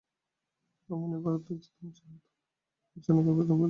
দেবতা মানিবার মতো বুদ্ধি যাহাদের, দেবতাকে বঞ্চনা করিবার মতো ধর্মবুদ্ধিও তাহাদেরই।